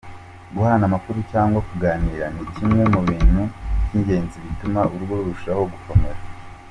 Guhana amakuru cyangwa kuganira ni kimwe mu bintu by’ingenzi bituma urugo rurushaho gukomera.